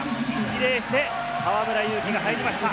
一礼して、河村勇輝が入りました。